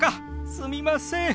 すみません。